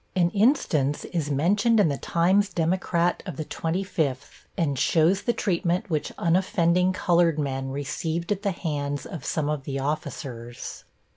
An instance is mentioned in the Times Democrat of the twenty fifth and shows the treatment which unoffending colored men received at the hands of some of the officers.